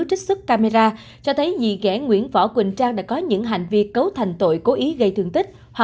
trích xuất camera cho thấy gì ghẽ nguyễn võ quỳnh trang đã có những hành vi cấu thành tội cố ý gây thương tích